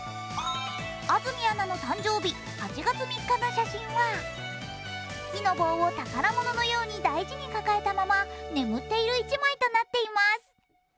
安住アナの誕生日８月３日の写真は木の棒を宝物のように大事に抱えたまま眠っている１枚となっています。